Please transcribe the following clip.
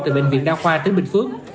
từ bệnh viện đa khoa tới bình phước